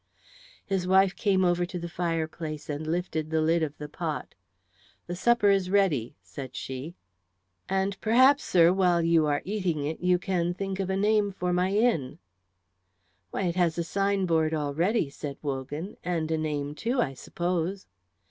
His wife came over to the fireplace and lifted the lid of the pot. "The supper is ready," said she. "And perhaps, sir, while you are eating it you can think of a name for my inn." "Why, it has a sign board already," said Wogan, "and a name, too, I suppose."